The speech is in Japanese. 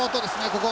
ここ。